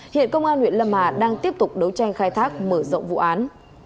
hiện công an huyện lâm hà đang tiếp tục đấu tranh khai thác mở rộng vụ án